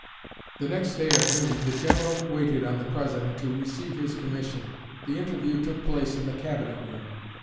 The next day at noon the General waited on the President to receive his commission. The interview took place in the Cabinet room.